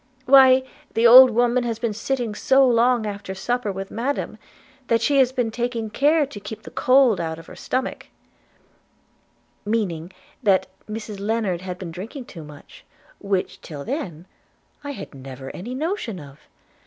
why, the old woman has been sitting so long after supper with Madam, that she has been taking care to keep the cold out of her stomach:' – meaning that Mrs Lennard had been drinking too much, which till then I had never any notion of.